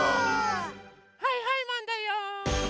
はいはいマンだよ！